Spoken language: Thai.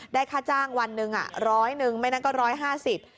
ได้ค่าจ้างวันนึงร้อย๑ไม่ได้ร้อย๕๐